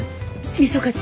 みそかつ？